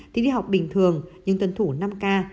thì đi học bình thường nhưng tuân thủ năm k